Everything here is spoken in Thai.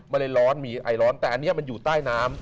ร้อนมีไอร้อนแต่อันนี้มันอยู่ใต้น้ำ